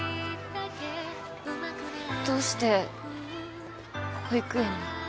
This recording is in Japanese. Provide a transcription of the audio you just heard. どうして保育園に？